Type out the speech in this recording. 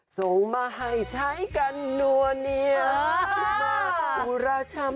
โสมฮัยใช้กันหนัวเนียมากกุระชำหนักเล